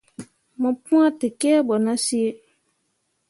Mo pwãa tekǝbo nah sǝǝ.